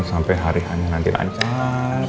sampai hari hanya nanti lancar